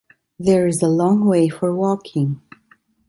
There is a long way for walking.